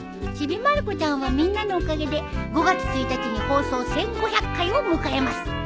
『ちびまる子ちゃん』はみんなのおかげで５月１日に放送１，５００回を迎えます。